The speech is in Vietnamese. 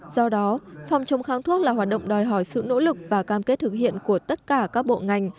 do đó phòng chống kháng thuốc là hoạt động đòi hỏi sự nỗ lực và cam kết thực hiện của tất cả các bộ ngành